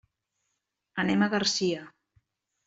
Anem a Garcia.